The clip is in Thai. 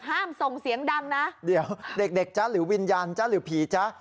ส่งเสียงดังนะเดี๋ยวเด็กเด็กจ๊ะหรือวิญญาณจ๊ะหรือผีจ๊ะ